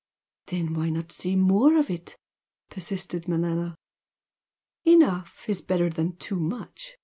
"Then why not see more of it?" persisted Manella. "Enough is better than too much!"